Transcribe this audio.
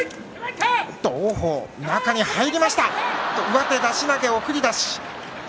上手出し投げ送り出し。